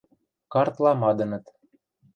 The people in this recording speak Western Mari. Картла мадыныт.